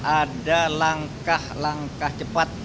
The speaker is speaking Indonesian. ada langkah langkah cepat